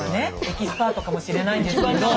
エキスパートかもしれないんですけど。